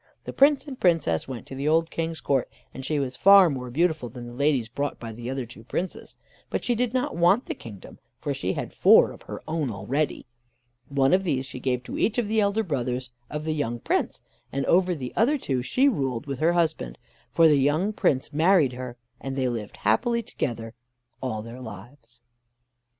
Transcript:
The Prince and Princess went to the old King's court, and she was far more beautiful than the ladies brought by the other two Princes. But she did not want the kingdom, for she had four of her own already. One of these she gave to each of the elder brothers of the young Prince, and over the other two she ruled with her husband, for the young Prince married her, and they lived happily together all their lives.